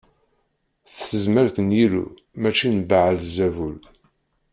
S tezmert n Yillu mačči n Baɛal Zabul.